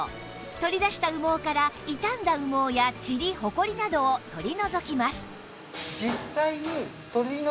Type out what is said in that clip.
取り出した羽毛から傷んだ羽毛やチリホコリなどを取り除きます